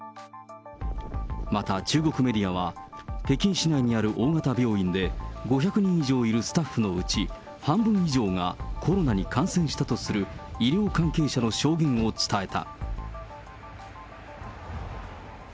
また中国メディアは、北京市内にある大型病院で、５００人以上いるスタッフのうち、半分以上がコロナに感染したとする、医療関係者の証言を伝えた。